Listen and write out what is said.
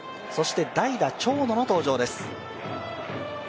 代打・長野の登場です。